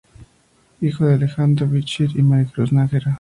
Hijo de Alejandro Bichir y Maricruz Nájera.